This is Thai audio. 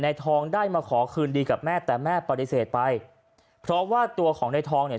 ทองได้มาขอคืนดีกับแม่แต่แม่ปฏิเสธไปเพราะว่าตัวของในทองเนี่ย